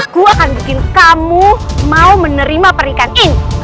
aku akan bikin kamu mau menerima pernikahan ini